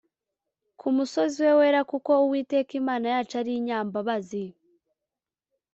ku musozi we wera Kuko Uwiteka Imana yacu ari inyambabazi